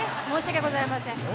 申し訳ございません。